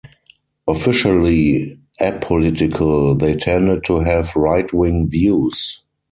Officially apolitical, they tended to have right-wing views.